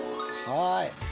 はい。